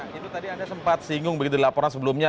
itu tadi anda sempat singgung begitu laporan sebelumnya